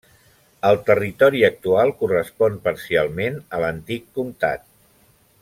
El territori actual correspon parcialment a l'antic comtat.